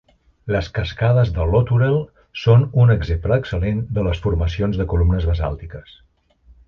Les cascades de Latourell són un exemple excel·lent de formacions de columnes basàltiques.